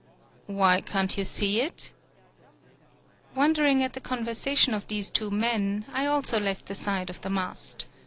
"Why, can't you see it?" Wondering at the conversation of these two men, I also left the side of the mast.